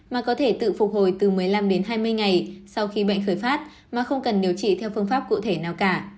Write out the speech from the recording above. mà có thể tự phục hồi từ một mươi năm đến hai mươi ngày sau khi bệnh khởi phát mà không cần điều trị theo phương pháp cụ thể nào cả